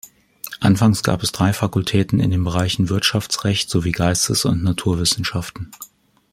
Anfangs gab es drei Fakultäten in den Bereichen Wirtschaftsrecht sowie Geistes- und Naturwissenschaften.